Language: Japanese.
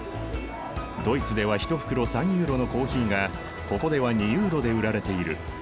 ドイツでは１袋３ユーロのコーヒーがここでは２ユーロで売られている。